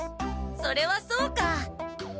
それはそうか。